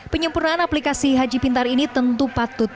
penyempurnaan aplikasi haji pintar ini tentu patut